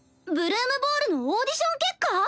「ブルームボール」のオーディション結果